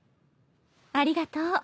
ありがとう。